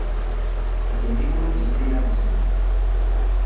Nze ndi bulungi sirina buzibu.